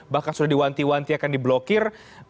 bahkan sudah diwanti wanti akan diblokir